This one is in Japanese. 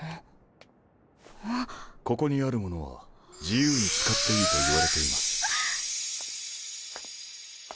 ここにあるものは自由に使っていいと言われています。